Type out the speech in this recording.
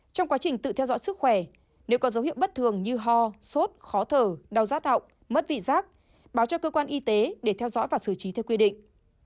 trong quá trình tự theo dõi sức khỏe nếu có dấu hiệu bất thường như ho sốt khó thở đau rát họng mất vị giác báo cho cơ quan y tế để theo dõi và xử trí theo quy định